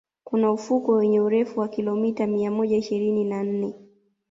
kuna ufukwe wenye urefu wa kilimeta mia moja ishirini na nne